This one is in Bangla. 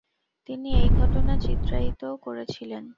তিনি এই ঘটনা চিত্রায়িতও করেছিলেন।